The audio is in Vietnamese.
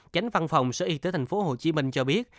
chánh văn phòng sở y tế thành phố hồ chí minh cho biết